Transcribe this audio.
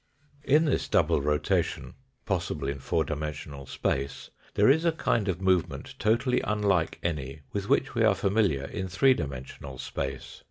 In this double rotation, possible in four dimensional space, there is a kind of movement totally unlike any with which we are familiar in three dimensional space.